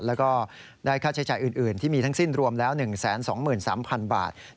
แล้วก็ได้ค่าใช้จ่ายอื่นที่มีทั้งสิ้นรวมแล้ว๑๒๓๐๐๐บาท